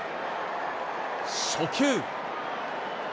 初球。